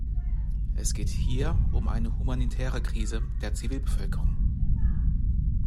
Es geht hier um eine humanitäre Krise der Zivilbevölkerung.